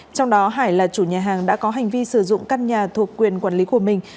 trong đó hải là chủ nhà hàng đã có hành vi sử dụng căn nhà thuộc quyền quản lý của mình